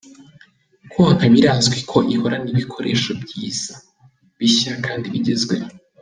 Konka birazwi ko ihorana ibikoresho byiza, bishya kandi bigezweho.